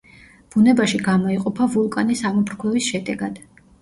ბუნებაში გამოიყოფა ვულკანის ამოფრქვევის შედეგად.